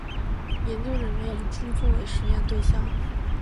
研究人员以猪作为实验对象